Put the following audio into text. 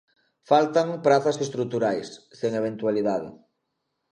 Faltan prazas estruturais, sen eventualidade.